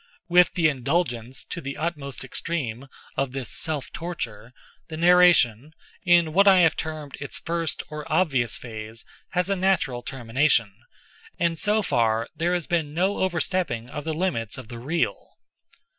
With the indulgence, to the utmost extreme, of this self torture, the narration, in what I have termed its first or obvious phase, has a natural termination, and so far there has been no overstepping of the limits of the real.